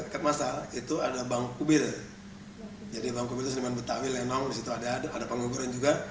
kita coba tampilkan